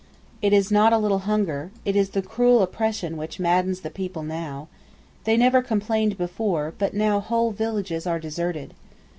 It is not a little hunger, it is the cruel oppression which maddens the people now. They never complained before, but now whole villages are deserted.